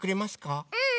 うん！